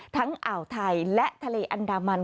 อ่าวไทยและทะเลอันดามัน